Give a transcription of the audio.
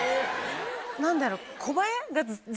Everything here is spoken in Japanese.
何だろう。